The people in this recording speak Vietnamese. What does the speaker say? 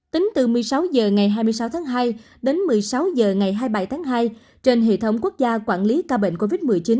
tính từ một mươi sáu h ngày hai mươi sáu tháng hai đến một mươi sáu h ngày hai mươi bảy tháng hai trên hệ thống quốc gia quản lý ca bệnh covid một mươi chín